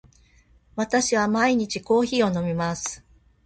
私は毎日コーヒーを飲みます。